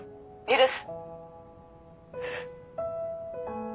許す。